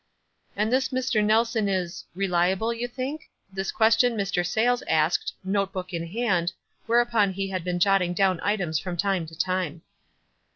"And this Mr. Nelson is — reliable, you think ?" This question Mr. Sayles asked, note book in hand, wherein he had been jotting down items from time to time.